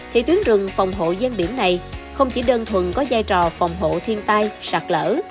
thì tuyến rừng phòng hộ gian biển này không chỉ đơn thuần có giai trò phòng hộ thiên tai sạt lở